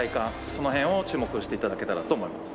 その辺を注目して頂けたらと思います。